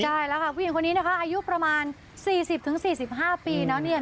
ได้แล้วค่ะผู้หญิงคนนี้นะคะอายุประมาณ๔๐๔๕ปีแล้วเนี่ย